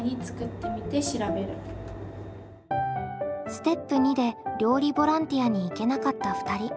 ステップ２で料理ボランティアに行けなかった２人。